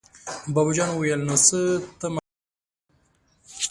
بابو جان وويل: نو څه ته ماتله يو!